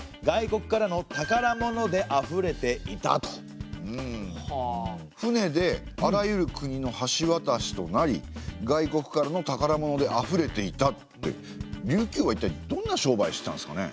現代語訳しますと「船であらゆる国の橋渡しとなり外国からの宝物であふれていた」って琉球はいったいどんな商売してたんですかね。